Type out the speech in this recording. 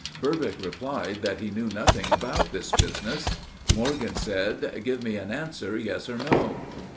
Burbick replied that he knew nothing about this business. Morgan said, "Give me an answer, yes or no."